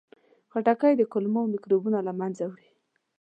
خټکی د کولمو میکروبونه له منځه وړي.